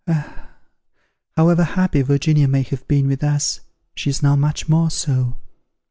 Ah! however happy Virginia may have been with us, she is now much more so.